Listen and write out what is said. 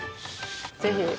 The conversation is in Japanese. ぜひ。